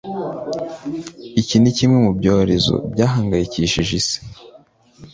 Iki ni kimwe mu byorezo byahangayikishije Isi